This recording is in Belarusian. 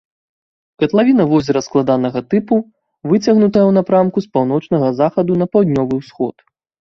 Катлавіна возера складанага тыпу, выцягнутая ў напрамку з паўночнага захаду на паўднёвы ўсход.